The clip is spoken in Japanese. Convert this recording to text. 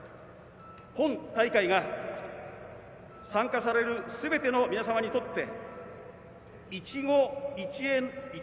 本大会が、参加されるすべての皆様にとって「一期一会」